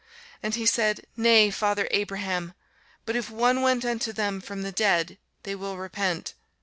And he said, Nay, father Abraham: but if one went unto them from the dead, they will repent.